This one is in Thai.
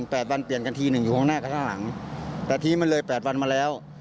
แปดวันเปลี่ยนกันทีหนึ่งอยู่ข้างหน้ากระข้างหลังแต่ทีนี้มันเลยแปดวันมาแล้ว